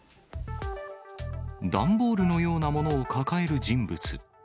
段ボールのようなものを抱える人物。